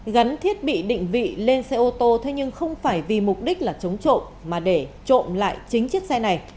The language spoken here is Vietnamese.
gắn thiết bị định vị lên xe ô tô thế nhưng không phải vì mục đích là chống trộm mà để trộm lại chính chiếc xe này